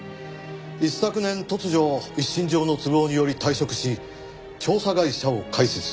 一昨年突如一身上の都合により退職し調査会社を開設。